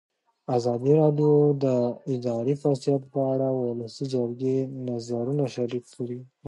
ازادي راډیو د اداري فساد په اړه د ولسي جرګې نظرونه شریک کړي.